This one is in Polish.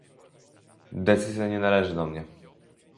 Decyzja nie należy do mnie